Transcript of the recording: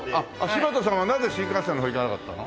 柴田さんはなぜ新幹線の方行かなかったの？